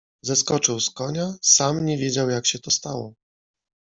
Zeskoczył z konia, sam nie wiedział, jak się to stało.